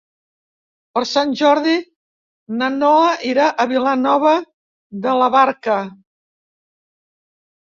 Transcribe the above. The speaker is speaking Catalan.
Per Sant Jordi na Noa irà a Vilanova de la Barca.